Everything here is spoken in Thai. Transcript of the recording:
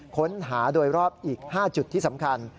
ค้นหาโดยรอบอีก๕จุดที่สำคัญ